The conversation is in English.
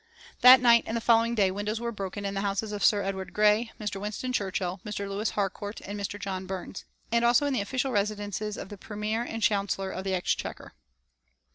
That night and the following day windows were broken in the houses of Sir Edward Grey, Mr. Winston Churchill, Mr. Lewis Harcourt and Mr. John Burns; and also in the official residences of the Premier and the Chancellor of the Exchequer.